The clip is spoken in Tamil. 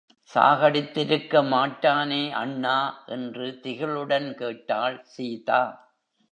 சாகடித்திருக்க மாட்டானே, அண்ணா? என்று திகிலுடன் கேட்டாள் சீதா.